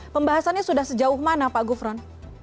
pembahasannya sudah sejauh mana pak gufron